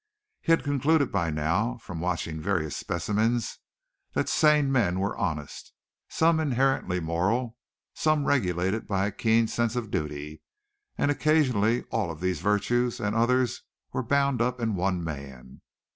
He had concluded by now, from watching various specimens, that sane men were honest, some inherently moral, some regulated by a keen sense of duty, and occasionally all of these virtues and others were bound up in one man.